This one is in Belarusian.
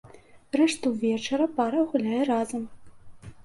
Рэшту вечара пара гуляе разам.